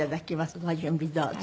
ご準備どうぞ。